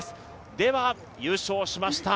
では優勝しました